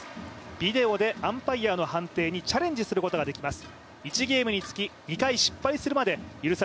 ビデオでアンパイアのチャレンジすることができます。